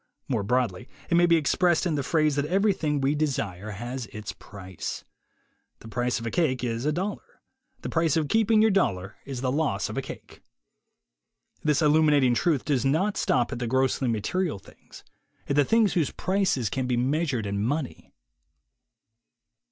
More broadly, it may be expressed in the phrase that everything we desire has its price. The price of a cake is a dollar; the price of keeping your dollar is the loss of a cake. This illuminating truth does not stop at the THE WAY TO WILL POWER 7 grossly material things, at the things whose prices can be measured in money.